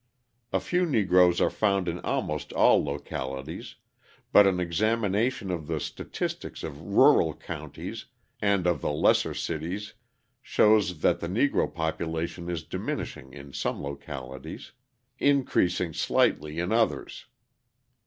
A few Negroes are found in almost all localities, but an examination of the statistics of rural counties and of the lesser cities shows that the Negro population is diminishing in some localities, increasing slightly in others.